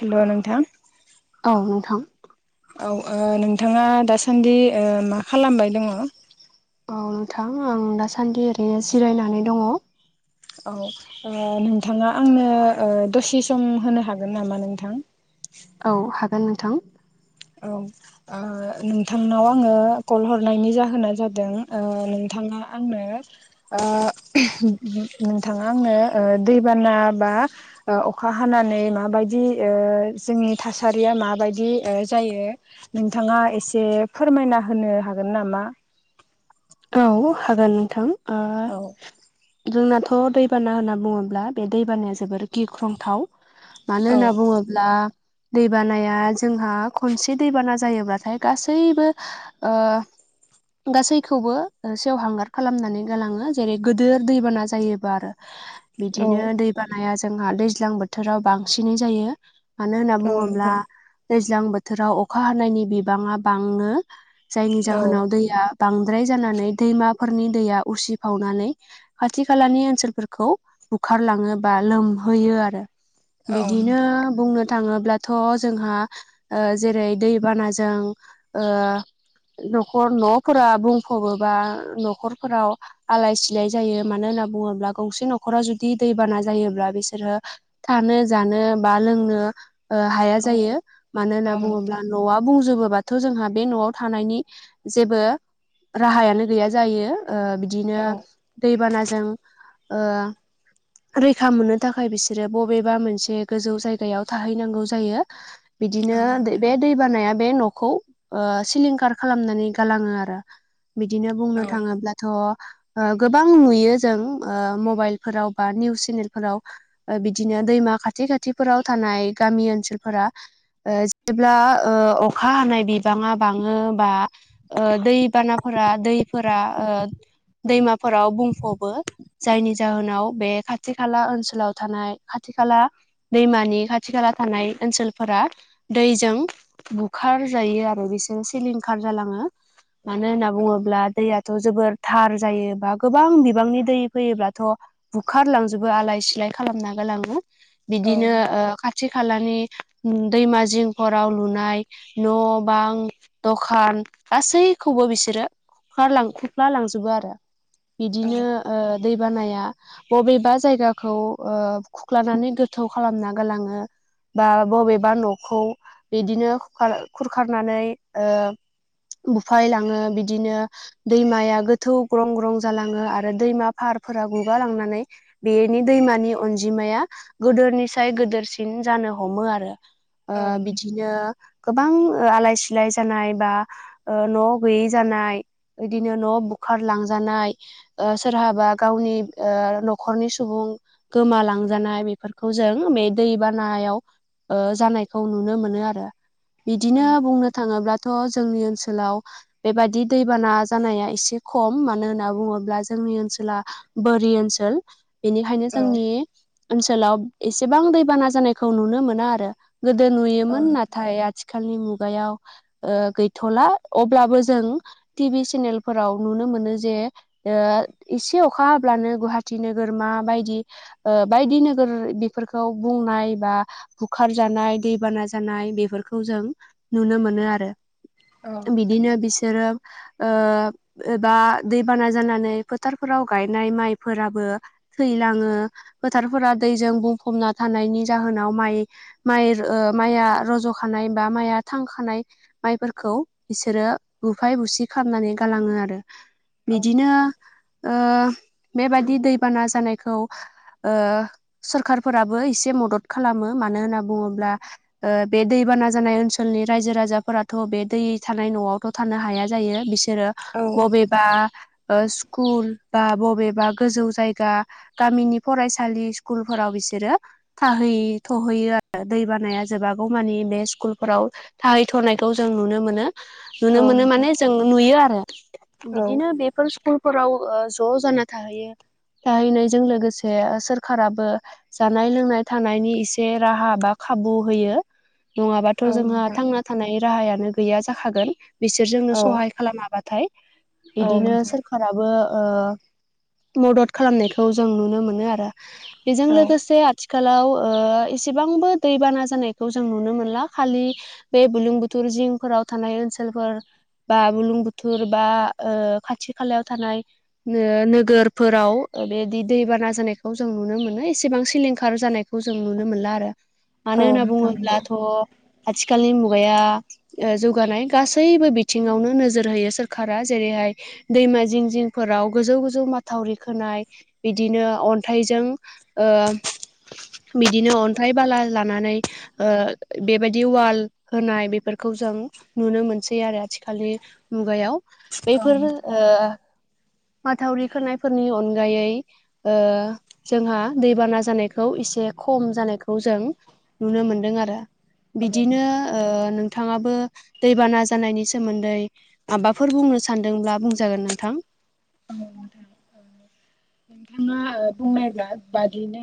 Hello नोंथां। औ नोंथां। औ ओ नोंथाङा दासान्दि ओ मा खालामबाय? औ नोंथां आं दासान्दि ओरैनो जिरायनानै दङ। औ नोंथाङा आंनो दसे सम होनो हागोन नामा नोंथां? औ हागोन नोंथां। औ ओ नोंथांनाव आङो कल हरनायनि जाहोना जादों ओ नोंथाङा आंनो ओ नोंथाङा आंनो ओ दैबाना बा ओ अखा हानानै माबायदि ओ जोंनि थासारिया माबायदि ओ जायो नोंथाङा एसे फोरमायना होनो हागोन नामा? औ हागोन नोंथां। ओ औ जोंनाथ' दैबाना होनना बुङोब्ला बे दैबानाया जोबोर गिख्रंथाव। मानो औ होनना बुंङो ब्ला दैबानाया जोंहा खनसे दैबाना जायोब्लाथाय गासैबो ओ गासै खौबो सेवहांगार खालामनानै गालाङो जेरै गिदिर दैबाना जायोबा आरो। औ बिदिनो दैबानाया जोंहा दैज्लां बोथोराव बांसिनै जायो। मानो होनना औ बुङोब्ला नोंथां दैज्लां बोथोराव अखा हानायनि बिबाङा बाङो। जायनि औ जाहोनाव दैया बांद्राय जानानै दैमाफोरनि दैया उसिफावनानै खाथि खालानि ओनसोलफोरखौ बुखारलाङो बा लोमहोयो आरो। औ बिदिनो नोंथां बुंनो थाङोब्लाथ' जोंहा जेरै ओ दैबानाजों ओ न'खर न'फोरा बुंफबबोबा न'खरफोराव आलाय सिलाय जायो मानो होनना बुङोब्ला गंसे न'खराव जुदि दैबाना जायोब्ला बिसोरो थानो जानो बा लोंनो हाया औ जायो मानो औ होनना बुङोब्ला नोंथां न'आ बुंजोबोबा थ' जोंहा बे न'आव थानायनि जेबो राहायानो गैया जायो ओ औ बिदिनो दैबानाजों ओ रैखा मोननो थाखाय बिसोरो बबेबा मोनसे गोजौ जायगायाव थाहैनांगौ जायो। [inaudible] बिदिनो बे दै बानाया बे न'खौ ओ सिलिंखार खालामनानै गालाङो आरो। बिदिनो बुंनो थाङोब्ला थ' गोबां नुयो जों मबाइलफोराव बा निउस चेनेलफोराव। बिदिनो दैमा खाथि खाथिफोराव थानाय गामि ओनसोलफोरा ओ जेब्ला ओ अखा हानाय बिबाङा बाङो बा दैबानाफोरा दैफोरा दैमाफोराव बुंफ'बो जायनि जाहोनाव बे खाथि खाथि खाला ओनसोलाव थानाय खाथि खाला दैमानि खाथि खाला थानाय ओनसोलफोरा दैजों बुखार जायो आरो बिसोरो सिलिंखार जालाङो। मानो होनना औ बुङोब्ला दैया थ' जोबोर धार जायो बा गोबां बिबांनि दै फैयोब्लाथ' बुखारलांजोबो आलाय सिलाय खालामना गलाङो औ बिदिनो खा थि खालानि दैमा जिंफोराव लुनाय न' बां दखान गासैखौबो बिसोरो बुखालांख्रुब्ला लांजोबो आरो बिदिनो दैबानाया बबेबा जायगाखौ खुरख्लानानै गोथौ खालामना गलाङो। बा बबेबा न'खौ बिदिनो खुखार-खुरखारनानै ओ बुफाय लाङो बिदि दिनो दैमाया गोथौ ग्रं ग्रं जालाङो आरो दैमा फारफोरा गुगालांनानै बेनि दैमानि अनजिमाया गोदोरनिसाय गोदोरसिन जानो हमो आरो नोंथां ओ औ बिदिनो गोबां आलाय सिलाय जानाय बा ओ न' गैयि जानाय बिदिनो न' बुखार लांजानाय ओ सोरहाबा गावनि ओ न'खरनि सुबुं गोमालांजानाय बेफोरखौ जों बे दै बानायाव ओ जानायखौ नुनो मोनो आरो बिदिनो बुंनो थाङोब्लाथ' जोंनि ओनसोलाव बेबायाददि दैबाना जानाया एसे खम मानो होनना बुङोब्ला जोंनि ओनसोला बोरि ओनसोल। बेनिखायनो जोंनि ओनसोलाव एसेबां दैबाना जानायखौ नुनो मोना आरो गोदो नुयोमोन नाथाय आथिखालनि मुगायाव ओ गैथ'ला अब्लाबो जों टि भि सेनेलफोराव नुनो मोनो जे ओ इसे अखा हाब्लानो गुहाटि नोगोर माबायदि। ओ बायदि नोगोर बेफोरखौ बुंनाय बा बुखार जानाय दैबाना जानाय बेफोरखौ जों नुनो मोनो आरो बिदिनो बिसोरो ओ एबा दैबाना जानानै फोथारफोराव गायनाय माइफोराबो थैलाङो फोथारफोरा दैजों बुंफबना थानायनि जाहोनाव माइ माइ रो ओ माइआ रज' खानाय बा माइआ थांखानाय माइफोरखौ बिसोरो बुफाय बुसि खालामनानै गालाङो आरो बिदिनो ओ बेबादि दैबाना जानायखौ ओ सोरखारफोराबो एसे मदद खालामो मानो होनना बुङोब्ला ओ बे दैबाना जानाय ओनसोलनि रायजो राजाफोराथ' बे दै थानाय न'आव थ' थानो हाया जायो बिसोरो औ बबेब बा ओ स्कुल बा बबेबा गोजौ जायगा गामिनि फरायसालि स्कुलफोराव बिसोरो थाहै थहैयो आरो दै बानाया जोबागौ मानि बे स्कुलफोराव थाहैथ'नायखौ जों नुनो मोनो। नुनो मोनो नोंथां माने जोंनो नुयो आरो औ बिदिनो औ बे बेफोर स्कुलफोराव ओ ज' जाना थाहैयो। थाहैनायजों लोगोसे ओ सोरखाराबो जानाय लोंनाय थानायनि इसे राहा बा खाबु होयो। नङाबाथ' नोंथां औ नोंथां औ जोंहा थांना थानायनि राहायानो गैया जाखागोन। बिसोर जोंनो सहाय खालामाबाथाय बिदिनो नोंथां सोरखाराबो ओ मदद खालामनायखौ जों नुनो मोनो आरो बेजों लोगोसे थिखालाव ओ एसेबांबो दैबाना जानायखौ जों नुनो मोनला खालि बे बुलुंबुथुर जिंफोराव थानाय ओनसोल लफोर बा बुलुं बुथुर बा ओ खाथि खालायाव थानाय नो-नोगोरफोराव बेदि दैबाना जानायखौ जों नुनो मोनो एसेबां सिलिंखार जानायख खौ जों नुनो मोनला आरो मानो होनना नंगौ बुङोब्लाथ' आथिखालनि मुगाया ओ जौगानाय गासैबो बिथिङावनो नोजोर होयो सोरखारा जेरैहाय दैमा जिं जिंफोराव गोजौ गोजौ माथावरि खोनाय बिदिनो अन्थाइजों ओ बिदिनो अन्थाइ बाला लानानै ओ बेबायदि वाल होनाय बेफोरखौ जों नुनो मोनसै आरो आथिखालनि मुगायाव औ बैफोर ओ माथावरि खोनायफोरनि अनगायै ओ जोंहा दैबाना जानायखौ एसे खम जानायखौ जों नुनो मोनदों आरो बिदिनो ओ नोंथाङाबो दैबाना जानायनि सोमोन्दै माबाफोर बुंनो सानदोंब्ला बुंजागोन नोंथां। नोंथांङा बुंनायब्ला बादिनो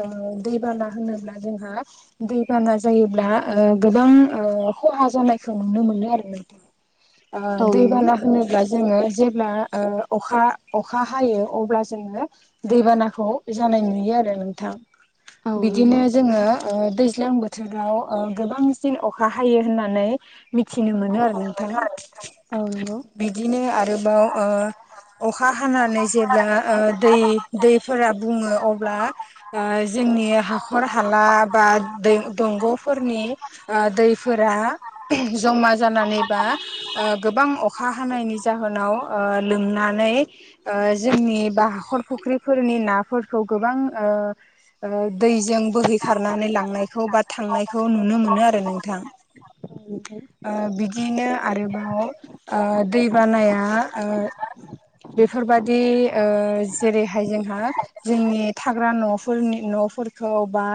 ओ दै बाना होनोब्ला जोंहा दैबाना जायोब्ला ओ गोबां ओ खहा जानायखौ नुनो मोनो आरो नोंथां। आ औ नंगौ दैबाना होनोब्ला जोंङो जेब्ला ओ अखा अखा हायो अब्ला जोंङो दैबानाखौ जानाय नुयो आरो नोंथां औ बिदिनो नंगौ जोंङो ओ दैज्लां बोथोराव ओ गोबांसिन अखा हायो होननानै मिथिनो मोनो आरो। नोंथां मोनो आरो नोंथां औ नंगौ। बिदिनो आरोबाव ओ अखा हानानै जेब्ला ओ दै दैफोरा बुंङो अब्ला ओ जोंनि हाखर हाला बा दै दंग'फोरनि ओ दैफोरा जमा जानानैबा ओ गोबां अखा हानायनि जाहोनाव ओ लोमनानै ओ जोंनि बा हाखर फुख्रिफोरनि नाफोरखौ गोबां ओ ओ दैजों बोहै खारनानै लांनायखौ बा थांनायखौ नुनो मोनो आरो नोंथां। [unintelligible] ओ बिदिनो आरोबाव ओ दै बानाया‌ ओ बेफोरबायदि ओ जेरैहाय जोंहा जोंनि थाग्रा न'फोरनि न'फोरखौ बा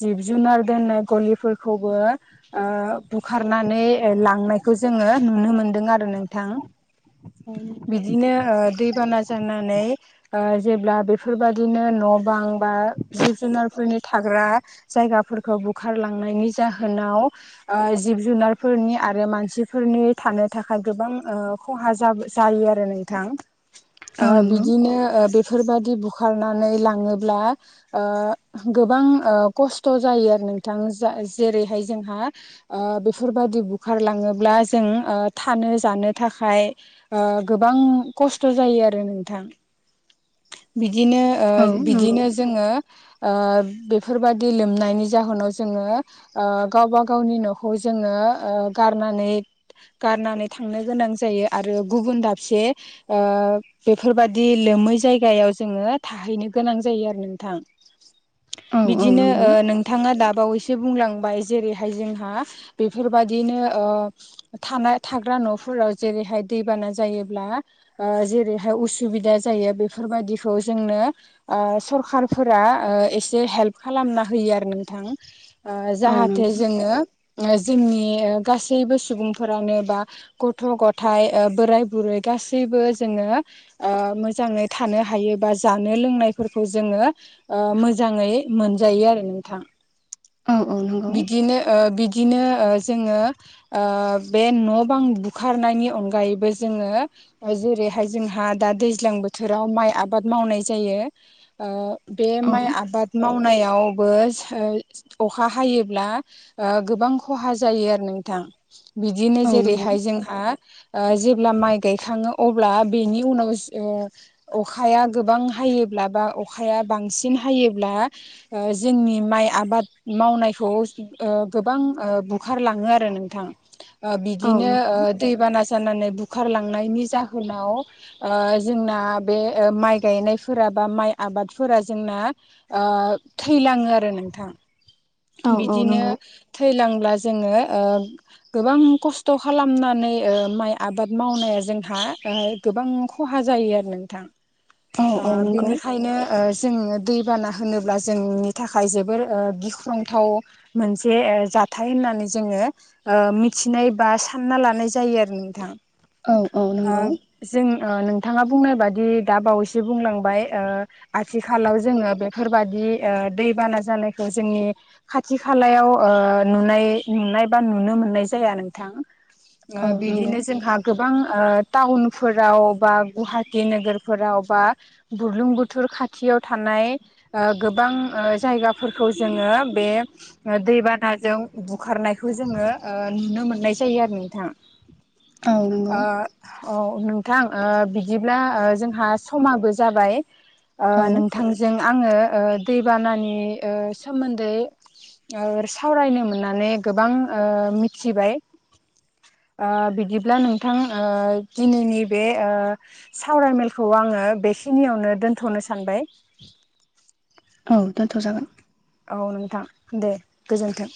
जिब जुनार दोननाय गलिफोरखौबो ओ बुखारनानै लांनायखौ जोंङो नुनो मोनदों आरो नोंथां। [unintelligible] बिदिनो ओ दैबाना जानानै ओ जेब्ला बेफोरबादिनो न' बां बा जिब जुनारफोरनि थाग्रा जायगाफोरखौ बुखारलांनायनि जाहोनाव ओ जिब जुनारफोरनि आरो मानसिफोरनि थानो थाखाय गोबां ओ खहा जाब जायो आरो नोंथां। ओ औ नंगौ बिदिनो ओ बेफोरबायदि बुखारनानै लांङोब्ला ओ गोबां ओ खस्थ' जायो आरो नोंथां जा जेरैहाय जोंहा ओ बेफोरबायदि बुखारलांङोब्ला जों ओ थानो जानो थाखाय ओ गोबां खस्थ' जायो आरो नोंथां। बिदिनो ओ औ नंगौ बिदिनो जोंङो ओ बेफोरबायदि दै लोमनायनि जाहोनाव जोंङो ओ गावबा गावनि न'खौ जोंङो ओ गारनानै गारनानै थांनो गोनां जायो आरो गुबुन दाबसे ओ बेफोरबादि लोमै जायगाव जोंङो थाहैनो गोनां जायो आरो नोंथां औ औ बिदिनो ओ नंगौ नों थाङा दाबावैसो बुंलांबाय जेरैहाय जोंहा बेफोरबादिनो ओ थानाय थाग्रा न'फोराव जेरैहाय दैबाना जायोब्ला ओ जेरैहाय उसुबिदा जायो बेफोरबायदिखौ जोंनो ओ सरखारफोरा ओ एसे हेल्प खालामना होयो आरो नोंथां। ओ औ जाहाथे नंगौ जोंङो जोंनि गासैबो सुबुंफोरानो बा गथ' गथाइ ओ बोराय बुरै गासैबो जोंङो ओ मोजांङै थानो हायो बा जानो लोंनायफोरखौ जोंङो ओ मोजाङै मोनजायो आरो नोंथां औ औ नंगौ बिदिनो ओ बिद दिनो ओ जोङो ओ बे न' बां बुखारनायनि अनगायैबो जोङो ओ जेरैहाय जोंहा दा दैज्लां बोथ थोराव माइ आबाद मावनाय जायो ओ बे औ माइ आबाद मावनायावबोस ओ अखा हायोब्ला ओ गोबां ख'हा जायो आरो नोंथां। बिदिनो औ नंगौ जेरैहाय जोंहा ओ जेब्ला माइ गायखाङो अब्ला बेनि उनावस ओ अखाया गोबां हायोब्ला बा अखाया बांसिन हायोब्ला ओ जोंनि माइ आबाद मावनायखौ ओ गोबां बुखारलाङो आरो नोंथां। ओ औ बिदिनो ओ नंगौ दैबाना जानानै बुखारलांनायनि जाहोनाव ओ जोंना आ बे ओ माइ गायनायफोरा बा माइ आबादफोरा जोंना ओ थैलाङो आरो नोंथां। औ औ बिदिनो नंगौ थैलांब्ला जोङो ओ गोबां खस्थ' खालामनानै ओ माइ आबाद मावनाया जोंहा ओ गोबां ख'हा जायो आरो नोंथां ओ औ औ नंगौ बेनिखायनो ओ जोंनो दैबाना होनोब्ला जोंनि थाखाय जोबोर ओ गिख ख्रंथाव मोनसे ओ जाथाय होननानै जोङो ओ मिथिनाय बा सानना लानाय जायो आरो नोंथां औ औ ओ नंगौ जों ओ नोंथाङा बुंनाय बादि दा बावैसो बुंलांबाय ओ आथिखालाव जोङो बेफोरबादि ओ दैबाना जानायखौ जोंनि खाथि खालायाव ओ नुनाय नुनाय बा नुनो मोननाय जाया नोंथां। ओ औ नंगौ बिदिनो जोंहा गोबां ओ टाउनफोराव बा गुवाहाटि नोगोरफोराव बा बुरलुंबुथुर खाथियाव थानाय ओ गोबां जायगाफोरखौ जोङो बे ओ दैबानाजों बुखारनायखौ जोङो ओ नुनो मोननाय जायो आरो नोंथां औ नंगौ ओ औ नोंथां ओ बिदिब्ला ओ जोंहा समाबो जाबाय ओ औ नोंथांजों आङो ओ दैबानानि ओ सोमोन्दै ओर सावरायनो मोननानै गोबां ओ मिथिबाय। ओ बिदिब्ला नोंथां ओ दिनैनि बे ओ सावरायमेलखौ आङो बेखिनियावनो दोनथ'नो सानबाय। औ दोन्थ' जागोन। औ नोंथां दे गोजोन्थों।